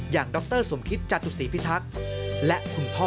ดรสมคิตจตุศีพิทักษ์และคุณพ่อ